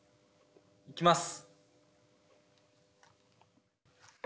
いきます！